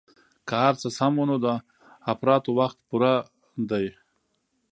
که هرڅه سم وو نو د اپراتو وخت پوره ديه.